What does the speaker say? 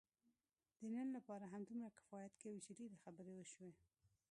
د نن لپاره همدومره کفایت کوي، چې ډېرې خبرې وشوې.